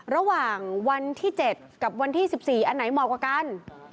ระหว่างวันที่๗กับวันที่๑๔อันไหนเหมาะกว่ากัน